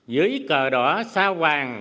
dưới cờ đỏ sao hoàng